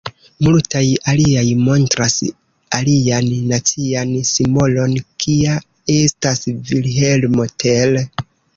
Multaj aliaj montras alian nacian simbolon kia estas Vilhelmo Tell.